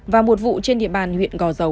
và một vụ trên địa bàn huyện gò dầu